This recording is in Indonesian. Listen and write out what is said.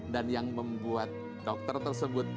dan yang membuat dokter tersebut